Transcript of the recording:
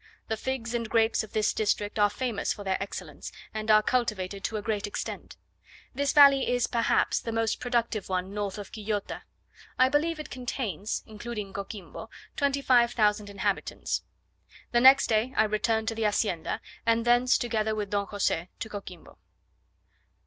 The figs and grapes of this district are famous for their excellence, and are cultivated to a great extent. This valley is, perhaps, the most productive one north of Quillota. I believe it contains, including Coquimbo, 25,000 inhabitants. The next day I returned to the Hacienda, and thence, together with Don Jose, to Coquimbo.